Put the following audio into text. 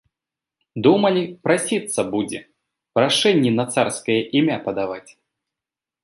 Думалі, прасіцца будзе, прашэнні на царскае імя падаваць.